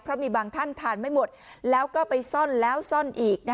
เพราะมีบางท่านทานไม่หมดแล้วก็ไปซ่อนแล้วซ่อนอีก